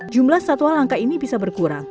jumlah satwa langka ini bisa berkurang